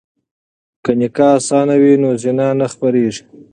که نکاح اسانه وي نو زنا نه خپریږي.